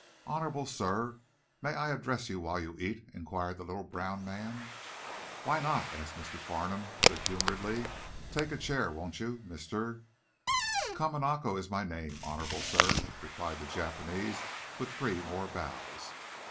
"Honorable sir, may I address you while you eat?" inquired the little brown man. "Why not?" asked Farnum, good humoredly. "Take a chair, won't you, Mr. " "Kamanako is my name, honorable sir," replied the Japanese, with three more bows.